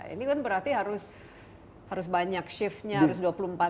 ini kan berarti harus banyak shiftnya harus dua puluh empat jam